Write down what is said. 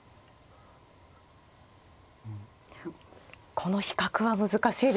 この比較は難しいですよね。